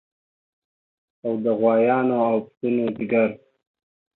او د غوایانو او پسونو ځیګر